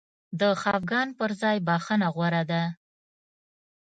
د خفګان پر ځای بخښنه غوره ده.